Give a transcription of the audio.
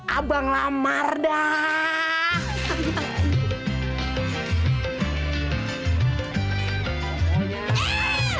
abang lamar dah